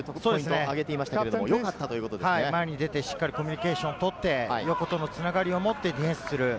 前に出て、しっかりコミュニケーションを取って、横との繋がりを持ってディフェンスする。